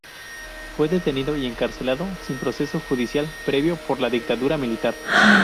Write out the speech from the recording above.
Fue detenido y encarcelado, sin proceso judicial previo, por la dictadura militar.